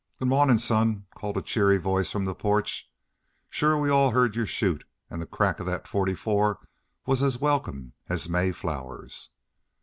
"Good mawnin', son," called a cheery voice from the porch. "Shore we all heard you shoot; an' the crack of that forty four was as welcome as May flowers."